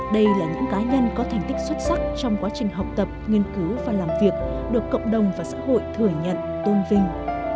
đây là những cá nhân có thành tích xuất sắc trong quá trình học tập nghiên cứu và làm việc được cộng đồng và xã hội thừa nhận tôn vinh